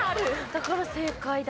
だから正解だ。